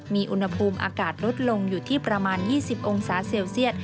มีอุณหภูมิอากาศลดลงอยู่ที่ประมาณ๒๐องศาเซลเซียต